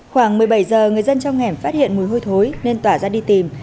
khoảng một mươi bảy giờ người dân trong hẻm phát hiện mùi hôi thối nên tỏa ra đi tìm